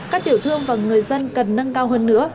các tiểu thương và người dân cần nâng cao hơn nữa